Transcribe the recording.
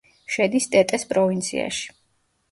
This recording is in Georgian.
შედის ტეტეს პროვინციაში.